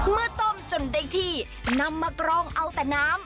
เมื่อต้มจนได้ที่นำมากรองเอาแต่น้ำ